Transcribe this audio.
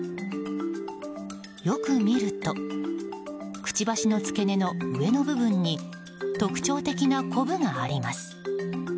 よく見るとくちばしの付け根の上の部分に特徴的なこぶがあります。